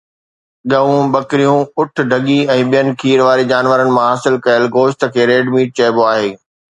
ڳئون، ٻڪريون، اُٺ، ڍڳي ۽ ٻين کير واري جانورن مان حاصل ڪيل گوشت کي ريڊ ميٽ چئبو آهي.